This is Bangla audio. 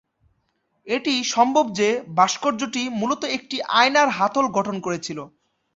এটি সম্ভব যে, ভাস্কর্যটি মূলত একটি আয়নার হাতল গঠন করেছিল।